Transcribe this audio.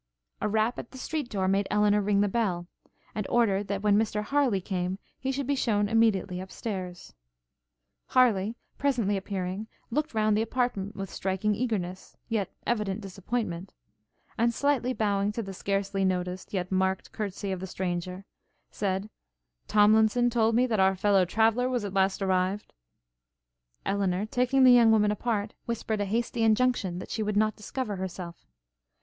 A rap at the street door made Elinor ring the bell, and order, that when Mr Harleigh came, he should be shewn immediately up stairs. Harleigh, presently appearing, looked round the apartment, with striking eagerness, yet evident disappointment; and, slightly bowing to the scarcely noticed, yet marked courtsie of the stranger, said, 'Tomlinson told me that our fellow traveller was at last arrived?' Elinor, taking the young woman apart, whispered a hasty injunction that she would not discover herself.